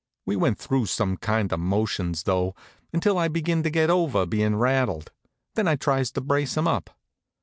We went through some kind of motions, though, until I begins to get over bein' rattled. Then I tries to brace him up.